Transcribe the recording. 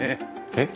えっ？